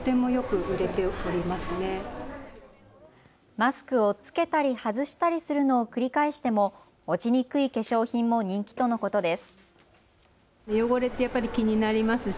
マスクを着けたり外したりするのを繰り返しても落ちにくい化粧品も人気とのことです。